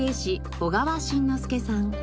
小川真之助さん。